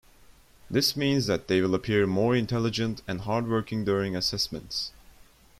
This means that they will appear more intelligent and hardworking during assessments.